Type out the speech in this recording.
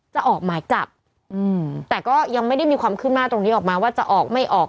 จะออกหมายจับแต่ก็ยังไม่ได้มีความขึ้นหน้าตรงนี้ออกมาว่าจะออกไม่ออก